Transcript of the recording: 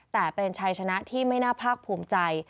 แต่เป็นชัยชนะที่ไม่น่าภาคภูมิใจ